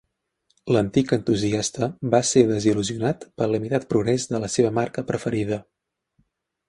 L'antic entusiasta va ser desil·lusionat pel limitat progrés de la seva marca preferida.